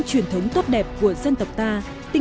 xin chào và hẹn gặp lại